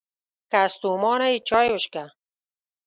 که ستومانه یې، چای وڅښه!